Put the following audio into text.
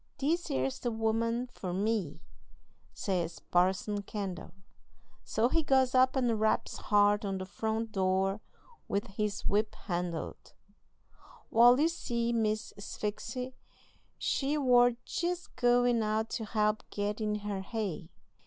"'This 'ere's the woman for me,' says Parson Kendall. So he goes up and raps hard on the front door with his whip handle. Wal, you see, Miss Sphyxy she war jest goin' out to help get in her hay.